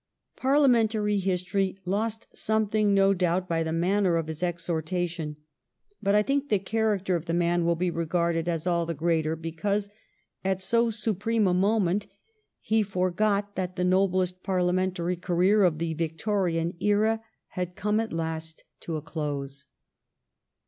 Par liamentary history lost something no doubt by the manner of his exhortation, but I think the char "THE LONG DAY'S TASK IS DONE" 393 acter of the man will be regarded as all the greater because at so supreme a moment he forgot that the noblest Parliamentary career of the Victorian era had come at last to its close.